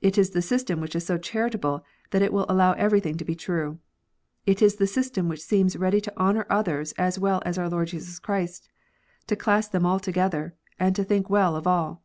It is the system which is so charitable, that it will allow everything to be true. It is the system which seems ready to honour others as well as our Lord Jesus Christ, to class them all together, and to think well of all.